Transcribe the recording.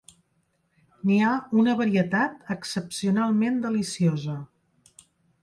N'hi ha una varietat excepcionalment deliciosa.